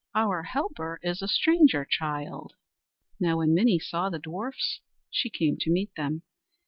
Our helper is a stranger child." Now when Minnie saw the dwarfs, she came to meet them.